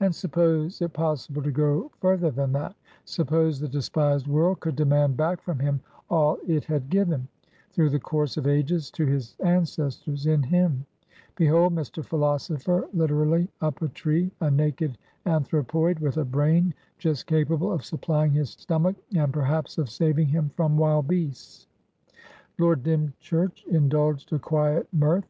And suppose it possible to go further than that; suppose the despised world could demand back from him all it had given, through the course of ages to his ancestors in him; behold Mr. Philosopher literally up a treea naked anthropoid, with a brain just capable of supplying his stomach andperhapsof saving him from wild beasts." Lord Dymchurch indulged a quiet mirth.